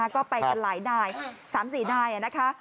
ก็ไปกันหลายนาย๓๔นายนะคะ